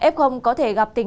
f có thể gặp tình huống